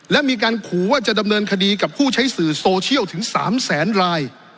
และมีการขู่ว่าจะดำเนินคดีกับผู้ใช้สื่อโซเชียลถึง๓แสนราย